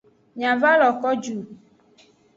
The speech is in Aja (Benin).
Mia va lo ko ju.